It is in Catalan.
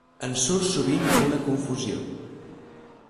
En surt sovint una confusió.